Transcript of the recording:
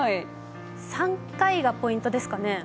３回がポイントですかね。